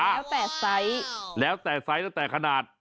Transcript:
แล้วแต่ไซส์แล้วแต่ไซส์แล้วแต่ขนาด